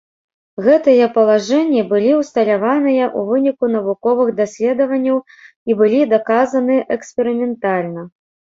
Гэтыя палажэнні былі ўсталяваныя ў выніку навуковых даследаванняў і былі даказаны эксперыментальна.